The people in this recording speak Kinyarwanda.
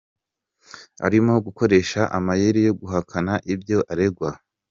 Arimo gukoresha amayeri yo guhakana ibyo aregwa.